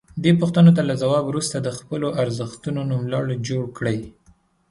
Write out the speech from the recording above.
دې پوښتنو ته له ځواب وروسته د خپلو ارزښتونو نوملړ جوړ کړئ.